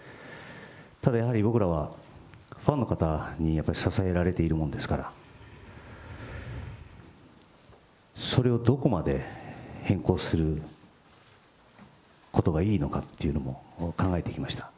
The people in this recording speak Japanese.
ただやはり、僕らはファンの方にやっぱり支えられているものですから、それをどこまで変更することがいいのかっていうのも考えてきました。